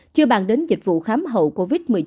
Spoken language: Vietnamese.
chưa bàn đến dịch vụ khám hậu covid một mươi chín